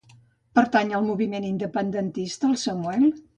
Pertany al moviment independentista el Samuel?